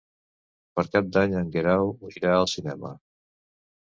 Per Cap d'Any en Guerau irà al cinema.